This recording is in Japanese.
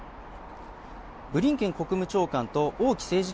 ブリンケン国務長官と王毅政治